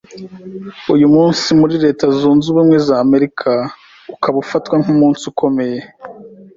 Uyu munsi muri leta zunze ubumwe z’Amerika ukaba ufatwa nk’umunsi ukomeye